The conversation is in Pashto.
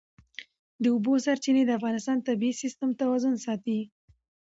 د اوبو سرچینې د افغانستان د طبعي سیسټم توازن ساتي.